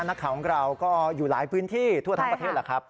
นักข่าวของเราก็อยู่หลายพื้นที่ทั่วทั้งประเทศแหละครับ